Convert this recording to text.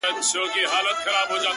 زما سره اوس لا هم د هغي بېوفا ياري ده”